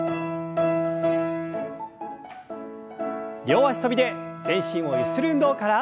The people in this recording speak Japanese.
両脚跳びで全身をゆする運動から。